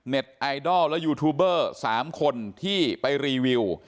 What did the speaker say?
ไอดอลและยูทูบเบอร์๓คนที่ไปรีวิว